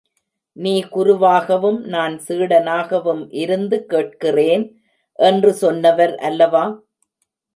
நீ குருவாகவும் நான் சீடனாகவும் இருந்து கேட்கிறேன் என்று சொன்னவர் அல்லவா?